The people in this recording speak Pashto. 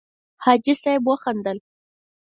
حاجي صیب وخندل.